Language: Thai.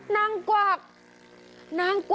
นั่งกวัก